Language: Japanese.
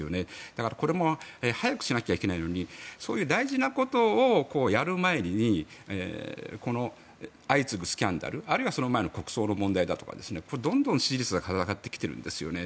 だからこれも早くしなきゃいけないのにそういう大事なことをやる前にこの相次ぐスキャンダルあるいはその前の国葬の問題だとかどんどん支持率が下がってきているんですよね。